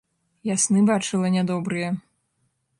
Я сны бачыла нядобрыя.